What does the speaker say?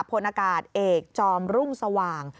พลอากาศเอกจอมรุ่งสว่าง